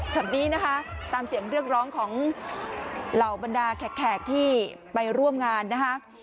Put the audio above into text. แบบนี้นะคะตามเสียงเรียกร้องของเหล่าบรรดาแขกที่ไปร่วมงานนะคะ